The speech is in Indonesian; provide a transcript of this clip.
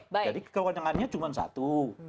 jadi kewenangannya cuma satu